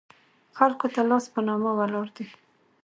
خلکو ته لاس په نامه ولاړ دي.